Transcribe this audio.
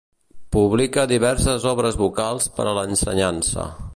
Publica diverses obres vocals per a l'ensenyança.